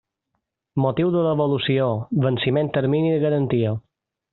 Motiu devolució: venciment termini de garantia.